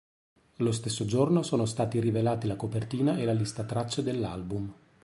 Lo stesso giorno sono stati rivelati la copertina e la lista tracce dell'album.